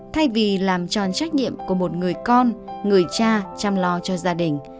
thay vì làm tròn trách nhiệm của một người con người cha chăm lo cho gia đình